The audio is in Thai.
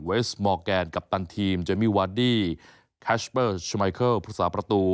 เวสมอร์แกนกัปตันทีมเจมมี่วาดดี้แคชเปอร์ชมายเคิลพุทธศาสตร์ประตู